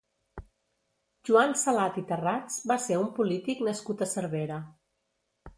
Joan Salat i Tarrats va ser un polític nascut a Cervera.